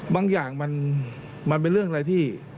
บางอย่างมันเป็นเรื่องอะไรที่